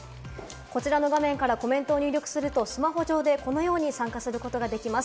こちらの画面からコメントを入力すると、スマホ上でこのように参加することができます。